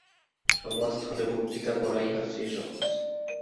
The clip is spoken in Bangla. সভাস্থলে বক্তৃতা করা ইহার চেয়ে সহজ।